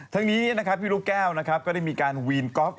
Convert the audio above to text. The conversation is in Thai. ทั้งนี้พี่ลูกแก้วก็ได้มีการวีนก๊อฟ